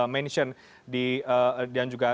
mention dan juga